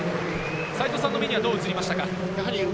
齊藤さんの目にはどう映りました？